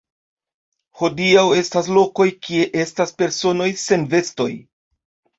Hodiaŭ estas lokoj kie estas personoj sen vestoj.